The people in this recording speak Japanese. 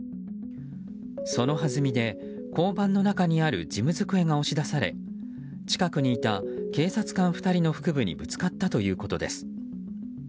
そのはずみで、交番の中にある事務机が押し出され近くにいた警察官２人の腹部にぶつかったということです。